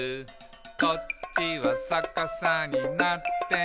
「こっちはさかさになっていて」